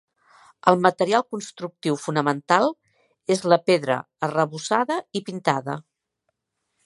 El material constructiu fonamental és la pedra, arrebossada i pintada.